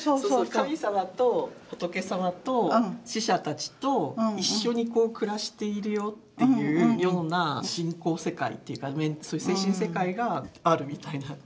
神様と仏様と死者たちと一緒に暮らしているよっていうような信仰世界っていうかそういう精神世界があるみたいな。